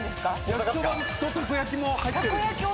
焼きそばとたこ焼も入ってる。